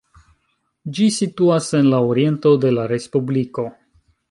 Ĝi situas en la oriento de la respubliko.